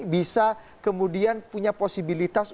bisa kemudian punya posibilitas